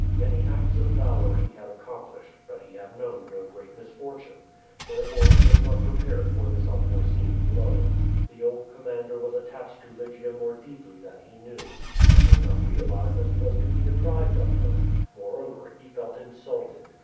Many acts of valor he had accomplished, but he had known no great misfortune. Therefore he was not prepared for this unforeseen blow. The old commander was attached to Lygia more deeply than he knew. He could not realize that he was to be deprived of her. Moreover, he felt insulted.